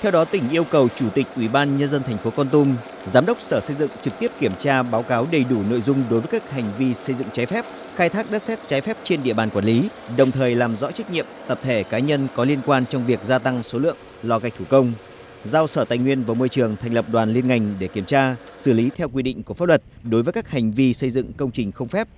theo đó tỉnh yêu cầu chủ tịch ủy ban nhân dân thành phố con tum giám đốc sở xây dựng trực tiếp kiểm tra báo cáo đầy đủ nội dung đối với các hành vi xây dựng trái phép khai thác đất xét trái phép trên địa bàn quản lý đồng thời làm rõ trách nhiệm tập thể cá nhân có liên quan trong việc gia tăng số lượng lo gạch thủ công giao sở tài nguyên và môi trường thành lập đoàn liên ngành để kiểm tra xử lý theo quy định của pháp luật đối với các hành vi xây dựng công trình không phép